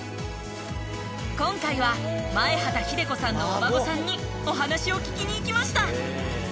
今回は前畑秀子さんのお孫さんにお話を聞きに行きました！